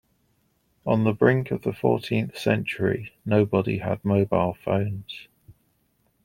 On the brink of the fourteenth century, nobody had mobile phones.